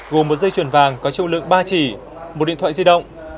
gồm một dây chuồn vàng có châu lượng ba chỉ một điện thoại di động